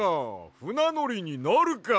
ふなのりになるか！